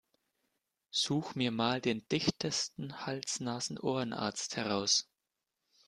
Such mir mal den dichtesten Hals-Nasen-Ohren-Arzt heraus!